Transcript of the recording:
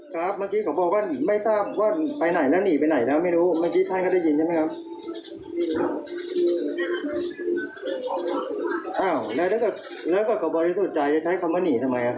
ผมไม่รู้ว่าจะได้